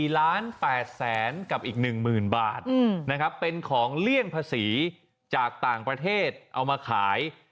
๔ล้าน๘แสนกับอีก๑หมื่นบาทเป็นของเลี่ยงภาษีจากต่างประเทศเอามาขาย